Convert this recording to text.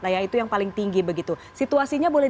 yaitu yang paling tinggi begitu situasinya boleh